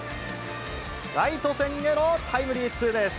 ライト線へのタイムリーツーベース。